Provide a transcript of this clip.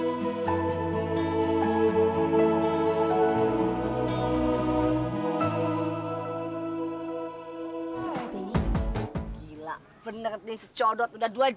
udah dua jam gua nungguin dia